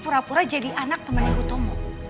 pura pura jadi anak teman huto mo